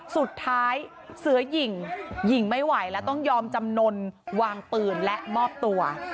สุดท้ายเสือหญิงหญิงไม่ไหวและต้องยอมจำนวนวางปืนและมอบตัว